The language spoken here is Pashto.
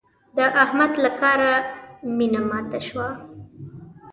د احمد له کاره مينه ماته شوه.